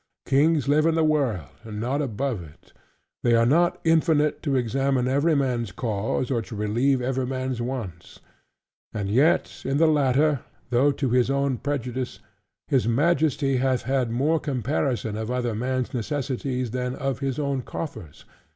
Kings live in the world, and not above it. They are not infinite to examine every man's cause, or to relieve every man's wants. And yet in the latter (though to his own prejudice), his Majesty hath had more comparison of other men's necessities, than of his own coffers.